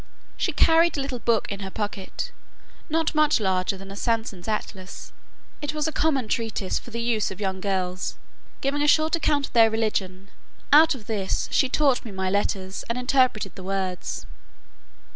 She carried a little book in her pocket, not much larger than a Sanson's Atlas; it was a common treatise for the use of young girls, giving a short account of their religion: out of this she taught me my letters, and interpreted the words.